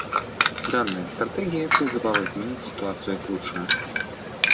Данная стратегия призвана изменить ситуацию к лучшему.